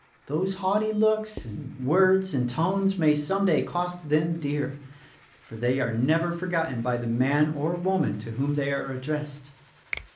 Those haughty looks and words and tones may, some day, cost them dear; for they are never forgotten by the man or woman to whom they are addressed.